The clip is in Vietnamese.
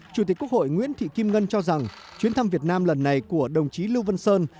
chủ tịch quốc hội nguyễn thị kim ngân cho rằng chuyến thăm việt nam lần này của đồng chí lưu văn sơn